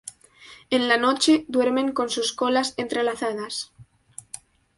En la noche duermen con sus colas entrelazadas.